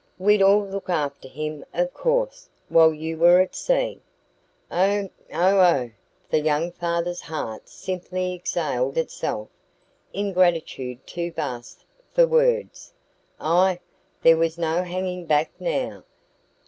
We'd all look after him, of course, while you were at sea " "Oh! oh! oh!" The young father's heart simply exhaled itself in gratitude too vast for words. Ah! there was no hanging back now!